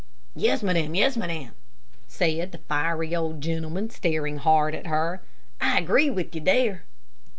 "Yes, madame, yes, madame," said the fiery old gentleman, staring hard at her. "I agree with you there."